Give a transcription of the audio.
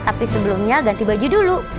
tapi sebelumnya ganti baju dulu